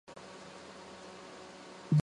唐玄宗时代大臣。